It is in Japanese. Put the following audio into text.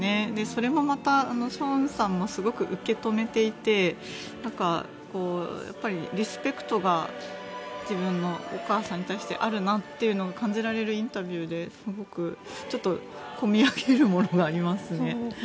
それもまたショーンさんもすごく受け止めていてリスペクトが自分のお母さんに対してあるなというのを感じられるインタビューでちょっとこみ上げるものがありますね。